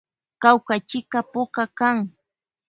Kawkachika puka kan.